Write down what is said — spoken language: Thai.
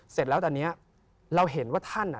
เสร็จแล้วตอนนี้เราเห็นว่าท่านอ่ะ